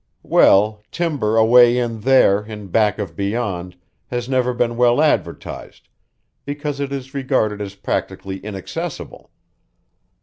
"Well, timber away in there in back of beyond has never been well advertised, because it is regarded as practically inaccessible.